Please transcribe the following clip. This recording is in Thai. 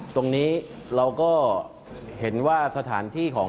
ตรงนี้เราก็เห็นว่าสถานที่ของ